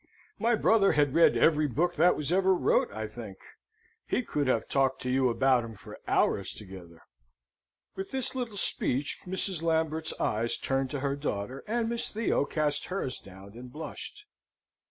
My brother had read every book that ever was wrote, I think. He could have talked to you about 'em for hours together." With this little speech Mrs. Lambert's eyes turned to her daughter, and Miss Theo cast hers down and blushed.